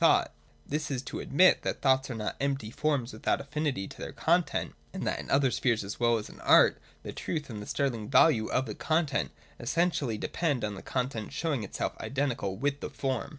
But this is to admit that thoughts are not empty forms without affinity to their content, and that in other spheres as well as in art the truth and the sterling value of the content essentially depend on the content showing itself identical with the form.